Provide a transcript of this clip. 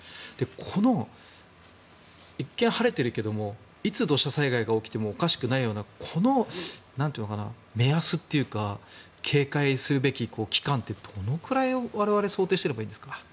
この一見、晴れているけどいつ土砂災害が起きてもおかしくないようなこの目安というか警戒するべき期間ってどのくらい、我々想定していればいいんですか？